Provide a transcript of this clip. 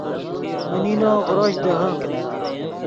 من نینو غروش دیہے